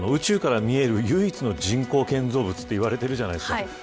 宇宙から見える、唯一の人口建造物といわれているじゃないですか。